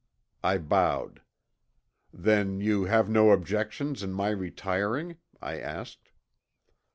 I bowed. "Then you have no objections to my retiring?" I asked.